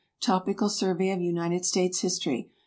"Topical Survey of United States History."